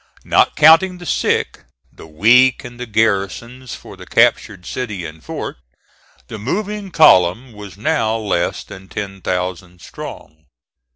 Not counting the sick, the weak and the garrisons for the captured city and fort, the moving column was now less than ten thousand strong.